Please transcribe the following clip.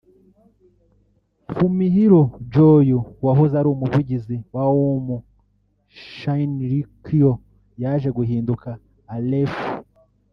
Fumihiro Joyu wahoze ari umuvugizi wa Aum Shinrikyo yaje guhinduka Aleph